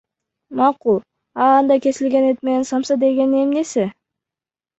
Макул, а анда кесилген эт менен самса дегени эмнеси?